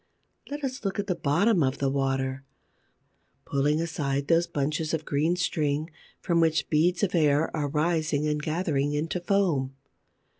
Let us look at the bottom of the water, pulling aside those bunches of green string from which beads of air are rising and gathering into foam.